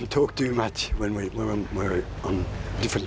เวลาที่คุณพันตะเวียน